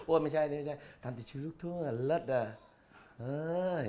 โอ้ยไม่ใช่นี่ไม่ใช่